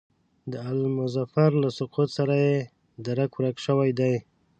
د آل مظفر له سقوط سره یې درک ورک شوی دی.